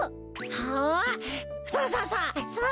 おおそうそうそう！